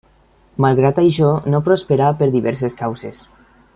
Malgrat això no prosperà per diverses causes.